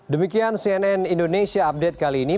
demikian cnn indonesia update kali ini